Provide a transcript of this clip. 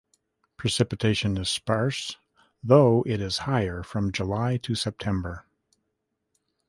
Precipitation is sparse though it is higher from July to September.